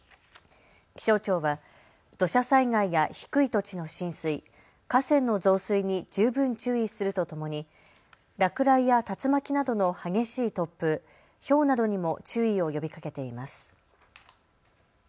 気象庁は土砂災害や低い土地の浸水、河川の増水に十分注意するとともに落雷や竜巻などの激しい突風、ひょうなどにも注意を呼びかけています。